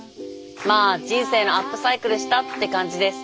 まあ人生のアップサイクルしたって感じです。